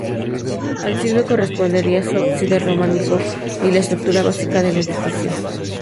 Al siglo correspondería su ábside románico y la estructura básica del edificio.